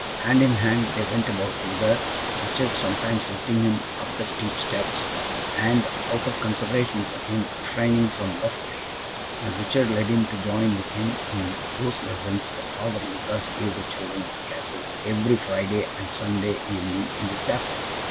Hand in hand they went about together, Richard sometimes lifting him up the steep steps, and, out of consideration for him, refraining from rough play; and Richard led him to join with him in those lessons that Father Lucas gave the children of the Castle, every Friday and Sunday evening in the Chapel.